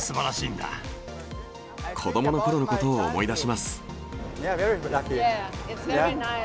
子どものころのことを思い出します。